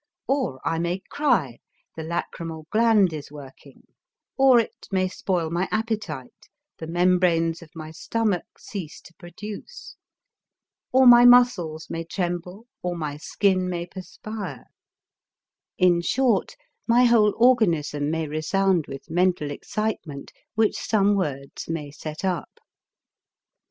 Or I may cry, the lachrymal gland is working; or it may spoil my appetite, the membranes of my stomach cease to produce; or my muscles may tremble, or my skin may perspire; in short, my whole organism may resound with mental excitement which some words may set up.